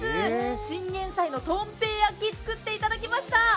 チンゲンサイのとんぺい焼き作っていただきました。